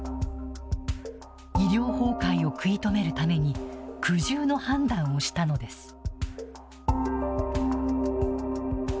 医療崩壊を食い止めるために苦渋の判断をしたのです。